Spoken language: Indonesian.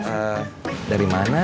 eh dari mana